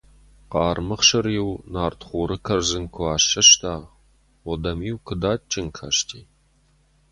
Хъарм ӕхсыры-иу нартхоры кӕрдзын куы ассӕста, уӕд ӕм-иу куыд адджын касти.